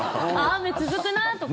雨続くな、とか。